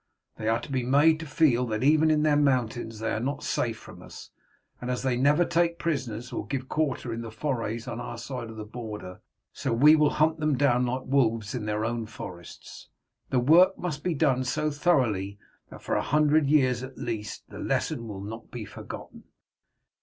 They are to be made to feel that even in their mountains they are not safe from us, and as they never take prisoners nor give quarter in the forays on our side of the border, so we will hunt them down like wolves in their own forests. The work must be done so thoroughly that for a hundred years at least the lesson will not be forgotten."